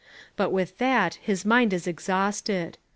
But with that his mind is exhausted.